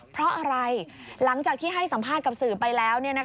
เพราะอะไรหลังจากที่ให้สัมภาษณ์กับสื่อไปแล้ว